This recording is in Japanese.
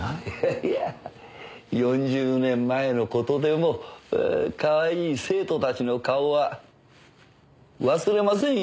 いや４０年前の事でもかわいい生徒たちの顔は忘れませんよ。